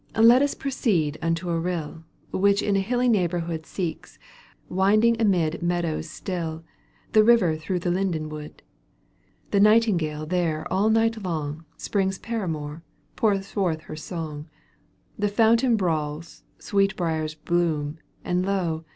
VI. Let us proceed unto a rill, Which in a hiHy neighbourhood Seeks, winding amid meadows stiU, The river through the linden wood. The nightingale there all night long. Spring's paramour, pours forth her song The fountain brawls, sweetbriers bloom. And lo